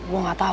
gue nggak tahu